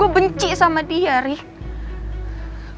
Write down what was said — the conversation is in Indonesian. gue benci sama dia rik